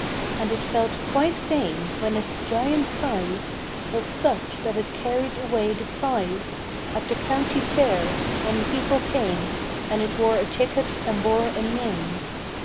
And it felt quite vain when its giant size Was such that it carried away the prize At the County Fair, when the people came, And it wore a ticket and bore a name.